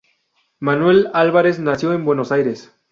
Manuel Álvarez nació en Buenos Aires.